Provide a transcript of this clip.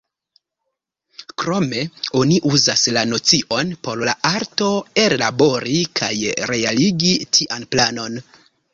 Krome oni uzas la nocion por la arto ellabori kaj realigi tian planon.